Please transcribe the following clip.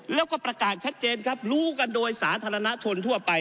แล้วก็ประกาศชัดเจนครับรู้กันโดยสาธารณชนทั่วไป